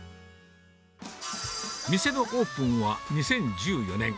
店のオープンは２０１４年。